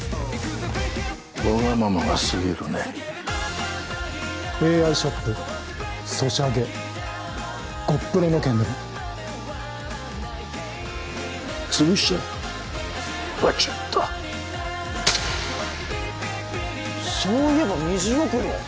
ワガママが過ぎるねＡＩショップソシャゲゴップロの件でもつぶしちゃえぶちゅっとそういえば２０億円は？